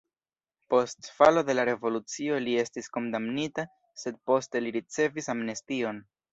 Post falo de la revolucio li estis kondamnita, sed poste li ricevis amnestion.